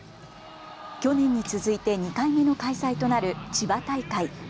去年に続いて２回目の開催となる千葉大会。